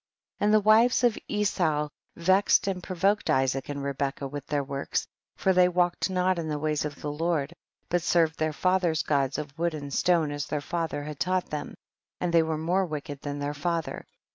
14. And the wives of Esau vexed and provoked Isaac and Rebecca with their works, for they walked not in the ways of the Lord, but served their father's gods of wood and stone as their father had taught them, and they were more wicked than their father.